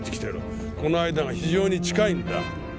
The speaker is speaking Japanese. この間が非常に近いんだ。